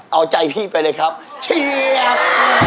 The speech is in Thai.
เอาใจพี่ไปเลยครับเชียบ